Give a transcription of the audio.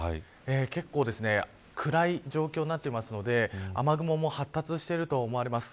結構、暗い状況になっているので雨雲も発達していると思われます。